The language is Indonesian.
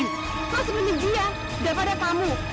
kau sembunyi dia daripada kamu